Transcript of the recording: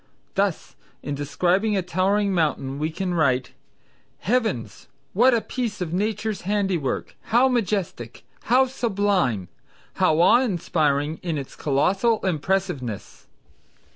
Thus in describing a towering mountain we can write "Heavens, what a piece of Nature's handiwork! how majestic! how sublime! how awe inspiring in its colossal impressiveness!"